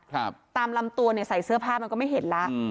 ครับตามลำตัวเนี่ยใส่เสื้อผ้ามันก็ไม่เห็นแล้วอืม